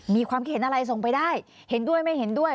มีความคิดเห็นอะไรส่งไปได้เห็นด้วยไม่เห็นด้วย